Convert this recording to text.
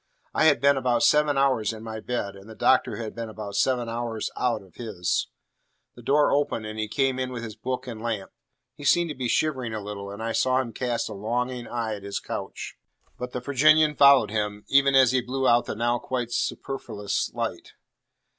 I had been about seven hours in my bed, and the Doctor had been about seven hours out of his. The door opened, and he came in with his book and lamp. He seemed to be shivering a little, and I saw him cast a longing eye at his couch. But the Virginian followed him even as he blew out the now quite superfluous light.